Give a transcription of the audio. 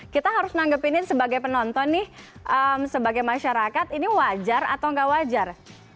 kita harus menanggap ini sebagai penonton nih sebagai masyarakat ini wajar atau nggak wajar